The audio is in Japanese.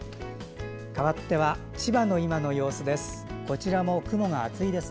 かわって、千葉の今の様子です。